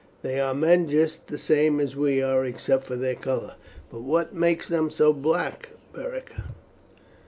They are men just the same as we are, except for their colour." "But what makes them so black, Beric?"